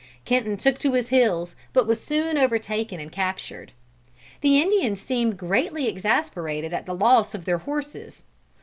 Kenton took to his heels, but was soon overtaken and captured. The Indians seemed greatly exasperated at the loss of their horses.